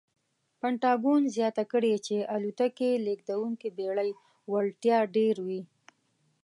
پنټاګون زیاته کړې چې الوتکې لېږدونکې بېړۍ وړتیا ډېروي.